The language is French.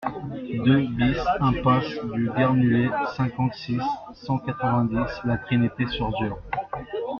deux BIS impasse du Guernehué, cinquante-six, cent quatre-vingt-dix, La Trinité-Surzur